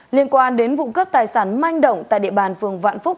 liên quan đến vụ cướp tài sản manh động tại địa bàn phường vạn phúc